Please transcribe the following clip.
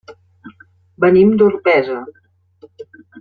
Venim d'Orpesa.